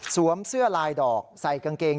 เสื้อลายดอกใส่กางเกง